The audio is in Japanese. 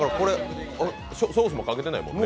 ソースもかけてないもんね。